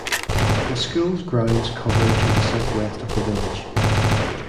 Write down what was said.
The school's grounds cover to the south west of the village.